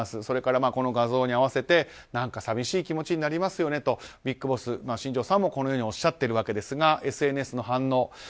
それからこの画像に合わせて何か寂しい気持ちになりますよねと、ビッグボス新庄さんもおっしゃっているわけですがＳＮＳの反応。